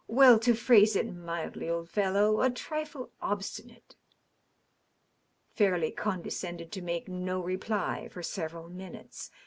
well, to phrase it mildly, old fellow, a trifle obstinate." Fairleigh condescended to make no reply for several minutes.